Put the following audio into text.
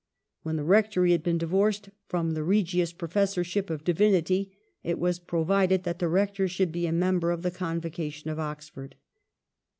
When the Rectory had been divorced from the Regius Professorship of Divinity, it was pro vided that the Rector should be a member of the Convocation of Oxford.